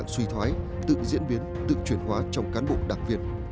suy thoái tự diễn biến tự chuyển hóa trong cán bộ đặc việt